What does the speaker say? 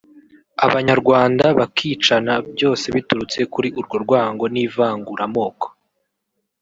Abanyarwanda bakicana byose biturutse kuri urwo rwango n’ivangura moko